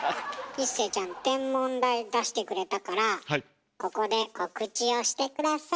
一生ちゃん「天文台」出してくれたからここで告知をして下さい。